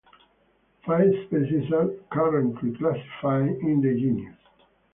Five species are currently classified in the genus.